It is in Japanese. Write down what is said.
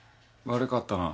悪かったな。